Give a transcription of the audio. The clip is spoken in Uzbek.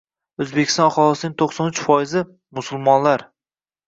O‘zbekiston aholisining to'qson uch foizi – musulmonlar.